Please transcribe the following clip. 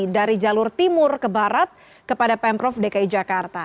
dari jalur timur ke barat kepada pemprov dki jakarta